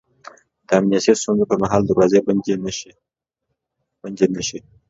د امنیتي ستونزو پر مهال دروازې بندې نه شي